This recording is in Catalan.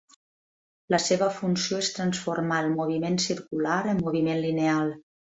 La seva funció és transformar el moviment circular en moviment lineal.